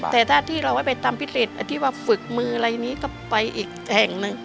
แต่ถ้าที่เราไม่ไปทำพิเศษที่ว่าฝึกมืออะไรนี้ก็ไปอีกแห่งหนึ่ง